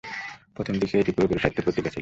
প্রথম দিকে এটি পুরোপুরি সাহিত্য পত্রিকা ছিলো।